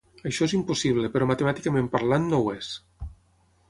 Això és impossible però matemàticament parlant no ho és.